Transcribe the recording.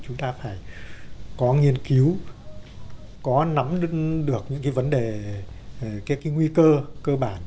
chúng ta phải có nghiên cứu có nắm được những cái vấn đề các cái nguy cơ cơ bản